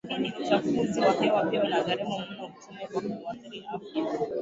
Lakini uchafuzi wa hewa pia unagharimu mno uchumi kwa kuathiri afya